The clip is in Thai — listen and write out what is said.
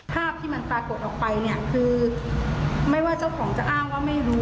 ภาพที่มันปรากฏออกไปเนี่ยคือไม่ว่าเจ้าของจะอ้างว่าไม่รู้